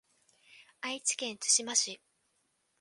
愛知県津島市